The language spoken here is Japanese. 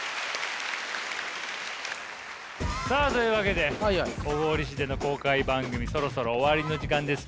さあというわけで小郡市での公開番組そろそろ終わりの時間です。